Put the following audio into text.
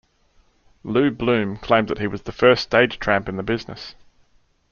Lew Bloom claimed he was "the first stage tramp in the business".